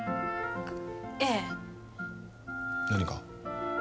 ええ何か？